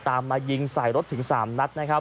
ตามมายิงใส่รถถึงสามนัด